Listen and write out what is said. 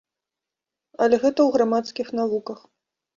Але гэта ў грамадскіх навуках.